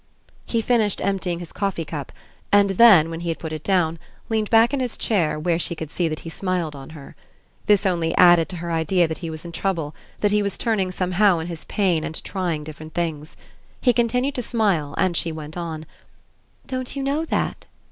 He finished emptying his coffee cup and then, when he had put it down, leaned back in his chair, where she could see that he smiled on her. This only added to her idea that he was in trouble, that he was turning somehow in his pain and trying different things. He continued to smile and she went on: "Don't you know that?"